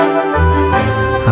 terima kasih ya pak